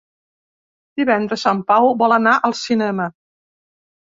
Divendres en Pau vol anar al cinema.